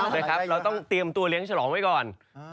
เราต้องเตรียมตัวเลี้ยงฉลองไว้ก่อน